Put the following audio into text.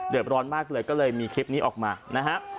ร้อนมากเลยก็เลยมีคลิปนี้ออกมานะฮะ